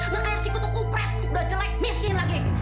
gak kayak si ketukupret udah jelek miskin lagi